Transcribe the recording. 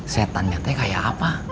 setan nyatanya kayak apa